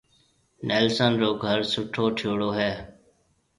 نيلسن رو گھر سُٺو ٺيوڙو ھيََََ